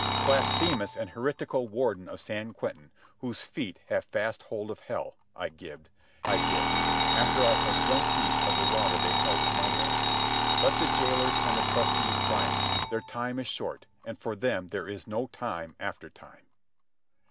"Blasphemous and heretical Warden of San Quentin whose feet have fast hold of hell," I gibed, after I had drunk deep of the water they held to my lips. "Let the jailers and the trusties triumph. Their time is short, and for them there is no time after time."